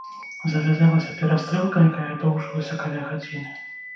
Завязалася перастрэлка, якая доўжылася каля гадзіны.